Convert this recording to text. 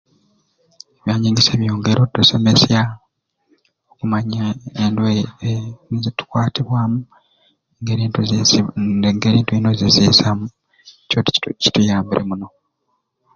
Ebyanyegesya byongeire okutusomesya okumanya endwaire e ni zitukwatibwaamu ngeri netuzitusi n'engeri bwetuluna okuzizeesamu ekyo kitu kituyambire muno